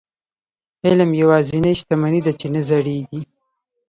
علم یوازینۍ شتمني ده چې نه زړيږي.